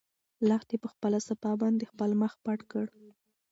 لښتې په خپله صافه باندې خپل مخ پټ کړ.